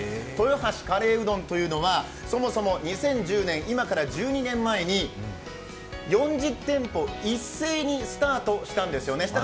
豊橋カレーうどんというのはそもそも２０１０年、今から１２年前に４０店舗一斉にスタートしたんですよね。